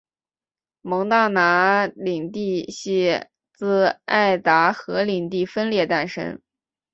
蒙大拿领地系自爱达荷领地分裂诞生。